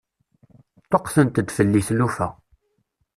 Ṭṭuqqtent-d fell-i tlufa.